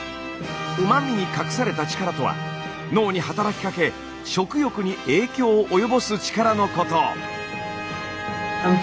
うま味に隠された力とは脳に働きかけ食欲に影響を及ぼす力のこと。